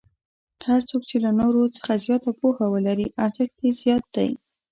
هر څوک چې له نورو څخه زیاته پوهه ولري ارزښت یې زیات دی.